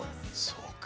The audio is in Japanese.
そうか。